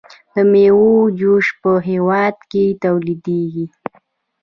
د میوو جوس په هیواد کې تولیدیږي.